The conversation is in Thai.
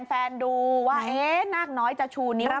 แฟนดูว่านากน้อยจะชูนิ้วไหนบ้าง